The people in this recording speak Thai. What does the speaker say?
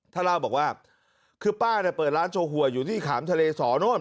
เล่าบอกว่าคือป้าเนี่ยเปิดร้านโชว์หวยอยู่ที่ขามทะเลสอโน่น